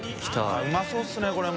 うまそうですねこれも。